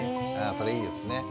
それいいですね。